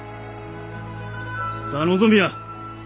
さあ望みや！